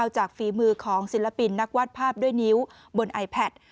ฝีมือของศิลปินนักวาดภาพด้วยนิ้วบนไอแพท